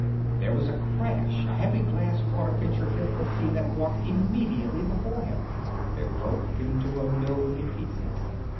There was a crash. A heavy glass water pitcher hit the cement walk immediately before him. It broke into a million pieces.